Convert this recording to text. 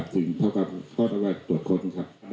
ซึ่งเท่ากับข้อตรวจค้น